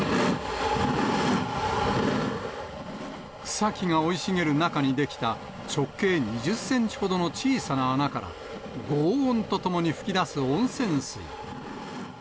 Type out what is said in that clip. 草木が生い茂る中に出来た、直径２０センチほどの小さな穴から、ごう音とともに噴き出す温泉水。